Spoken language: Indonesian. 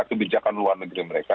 kebijakan luar negeri mereka